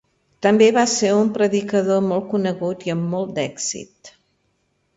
També va ser un predicador molt conegut i amb molt d"èxit.